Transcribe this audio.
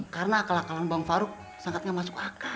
karena akal akalan bang farouk sangat nggak masuk akal